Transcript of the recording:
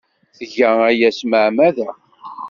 Tga aya s tmeɛmada.